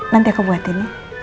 nanti aku buatin ya